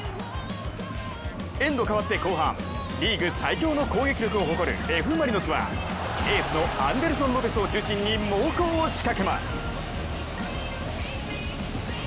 エンド変わって後半、リーグ最強の攻撃力を誇るＦ・マリノスはエースのアンデルソン・ロペスを中心に猛攻を仕掛けます。